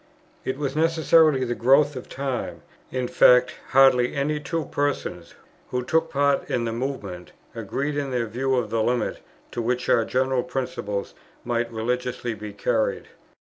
It was necessarily the growth of time. In fact, hardly any two persons, who took part in the Movement, agreed in their view of the limit to which our general principles might religiously be carried.